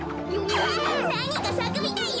あっなにかさくみたいよ！